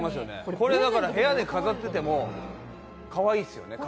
部屋で飾っててもかわいいですよね。